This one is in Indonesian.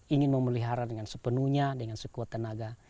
ingin memelihara dengan sepenuhnya dengan sekuat tenaga